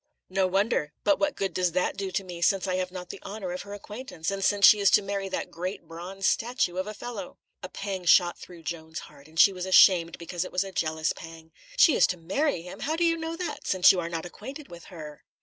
"No wonder. But what good does that do to me, since I have not the honour of her acquaintance, and since she is to marry that great, bronze statue of a fellow?" A pang shot through Joan's heart, and she was ashamed because it was a jealous pang. "She is to marry him! How do you know that, since you are not acquainted with her?"